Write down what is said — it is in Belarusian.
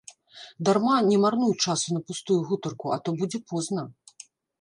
Дарма не марнуй часу на пустую гутарку, а то будзе позна.